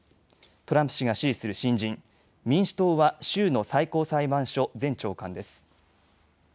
トランプ氏が支持する新人、民主党は州の最高裁判所、前長官です。